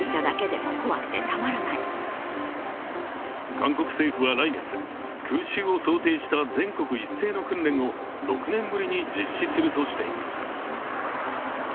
韓国政府は来月、空襲を想定した全国一斉の訓練を６年ぶりに実施するとしています。